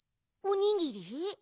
おにぎり？